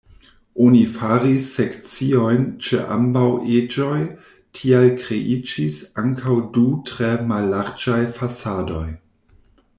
Oni faris sekciojn ĉe ambaŭ eĝoj, tial kreiĝis ankaŭ du tre mallarĝaj fasadoj.